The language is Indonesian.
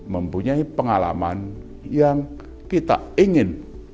mempunyai pengalaman yang kita ingin